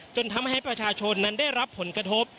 จนทำให้ประชาชนนั้นได้รับผลกระทบ